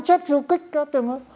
đã chết du kích đã từng bắn